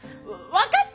分かった！